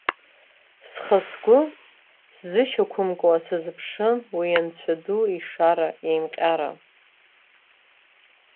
Схы-сгәы сзышьа-қәымкуа сазыԥшын уи анцәа ду ишара еимҟьара.